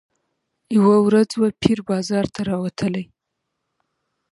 یوه ورځ وو پیر بازار ته راوتلی